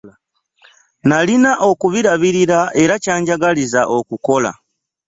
Nalina okubirabirira era kyanjigiriza okukola.